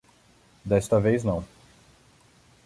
Desta vez não.